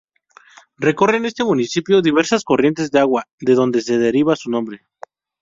Recorren este municipio diversas corrientes de agua, de donde deriva su nombre.